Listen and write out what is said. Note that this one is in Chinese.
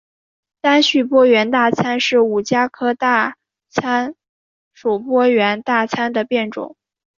单序波缘大参是五加科大参属波缘大参的变种。